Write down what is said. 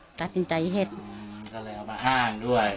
ภรรยาก็บอกว่านายทองม่วนขโมย